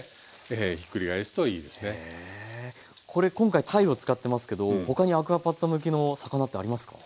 これ今回たいを使ってますけどほかにアクアパッツァ向きの魚ってありますか？